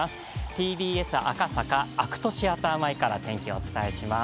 ＴＢＳ赤坂ＡＣＴシアター前から天気をお伝えします。